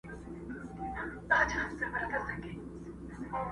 نه په طبیب سي نه په دعا سي،